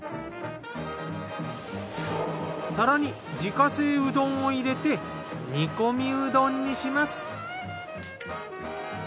更に自家製うどんを入れて煮込みうどんにします。